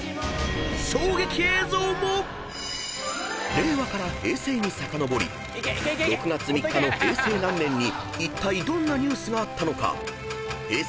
［令和から平成にさかのぼり６月３日の平成何年にいったいどんなニュースがあったのかＨｅｙ！